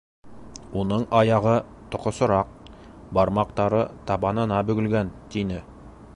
Уның аяғы тоҡо-сораҡ, бармаҡтары табанына бөгөлгән, — тине.